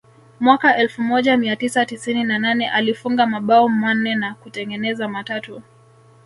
Mwaka elfu moja mia tisa tisini na nane alifunga mabao manne na kutengeneza matatu